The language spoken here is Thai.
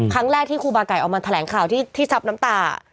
ครั้งแรกที่ครูบาไก่ออกมาแถลงข่าวที่ซับน้ำตา